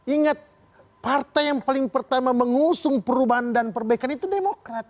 ingat partai yang paling pertama mengusung perubahan dan perbaikan itu demokrat